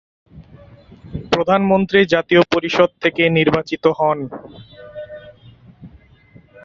প্রধানমন্ত্রী জাতীয় পরিষদ থেকে নির্বাচিত হন।